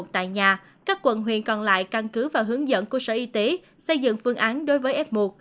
tại nhà các quận huyện còn lại căn cứ và hướng dẫn của sở y tế xây dựng phương án đối với f một